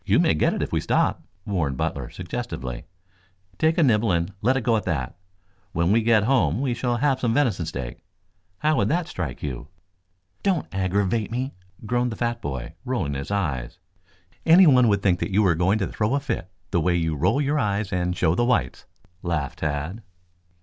"You may get it if you stop," warned Butler suggestively. "Take a nibble and let it go at that. When we get home we shall have some venison steak. How would that strike you?" "Don't aggravate me," groaned the fat boy, rolling his eyes. "Anyone would think you were going to throw a fit the way you roll your eyes and show the whites," laughed Tad.